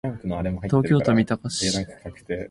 東京都三鷹市